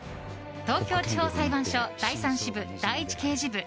東京地方裁判所第３支部第１刑事部